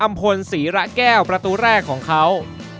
พลศรีระแก้วประตูแรกของเขา